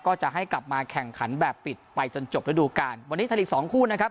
ก็จะให้กลับมาแข่งขันแบบปิดไปจนจบระดูการวันนี้ไทยลีกสองคู่นะครับ